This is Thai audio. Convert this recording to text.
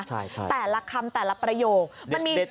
ใช่แต่ละคำแต่ละประโยชน์